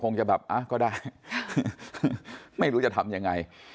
ก็คงจะแบบเอ้าก็ได้ไม่รู้จะทำยังไง